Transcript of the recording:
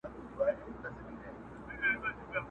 ته بچی د بد نصیبو د وطن یې!